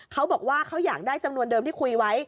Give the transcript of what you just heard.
เขาบอกว่าเขาอยากได้จำนวนเดิมที่คุยไว้